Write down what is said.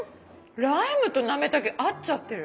ライムとなめたけ合っちゃってる。